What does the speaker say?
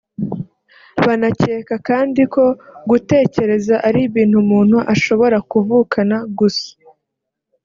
banakeka kandi ko gutekereza ari ibintu umuntu ashobora kuvukana gusa